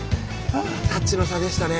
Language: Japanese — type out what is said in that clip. タッチの差でしたね。